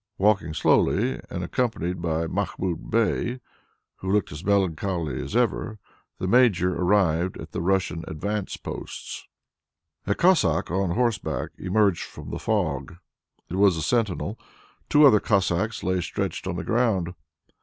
Walking slowly and accompanied by Mahmoud Bey, who looked as melancholy as ever, the Major arrived at the Russian advance posts. A Cossack on horseback emerged from the fog. It was a sentinel. Two other Cossacks lay stretched on the ground.